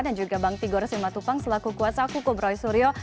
dan juga bang tigor sima tupang selaku kuasa kuku broi suryo